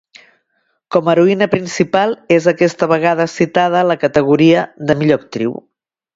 Com a heroïna principal, és aquesta vegada citada a la categoria de millor actriu.